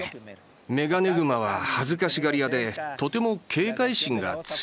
メガネグマは恥ずかしがり屋でとても警戒心が強い。